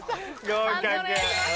合格。